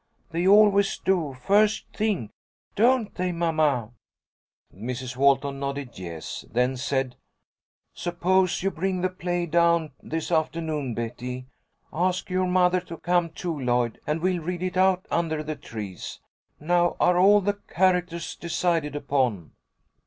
They always do, first thing. Don't they, mamma?" Mrs. Walton nodded yes, then said: "Suppose you bring the play down this afternoon, Betty. Ask your mother to come too, Lloyd, and we'll read it out under the trees. Now are all the characters decided upon?"